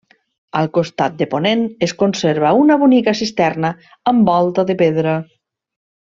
Al costat de ponent es conserva una bonica cisterna amb volta de pedra.